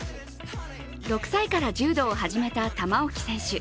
６歳から柔道を始めた玉置選手。